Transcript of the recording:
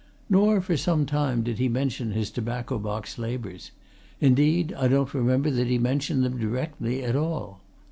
Nor for some time did he mention his tobacco box labours indeed, I don't remember that he mentioned them directly at all.